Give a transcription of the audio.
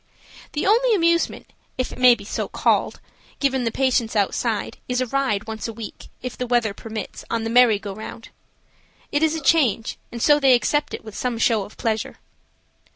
The only amusement, if so it may be called, given the patients outside, is a ride once a week, if the weather permits, on the "merry go round." It is a change, and so they accept it with some show of pleasure.